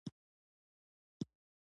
رهبري په نورو باندې د نفوذ درلودل دي.